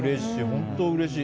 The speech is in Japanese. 本当うれしい。